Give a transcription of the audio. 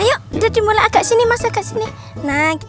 udah dimulai masa kat sini